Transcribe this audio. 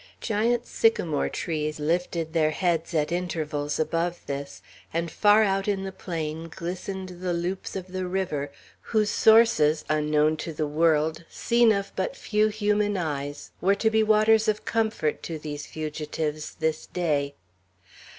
Giant sycamore trees lifted their heads, at intervals, above this; and far out in the plain glistened the loops of the river, whose sources, unknown to the world, seen of but few human eyes, were to be waters of comfort to these fugitives this day.